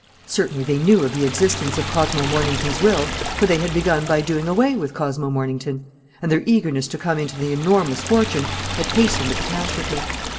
Certainly they knew of the existence of Cosmo Mornington's will, for they had begun by doing away with Cosmo Mornington; and their eagerness to come into the enormous fortune had hastened the catastrophe.